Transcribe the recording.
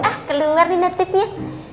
ah keluar nih native nya